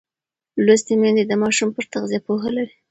لوستې میندې د ماشوم پر تغذیه پوهه لري.